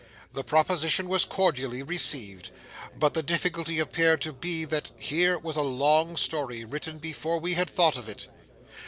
The proposition was cordially received, but the difficulty appeared to be that here was a long story written before we had thought of it.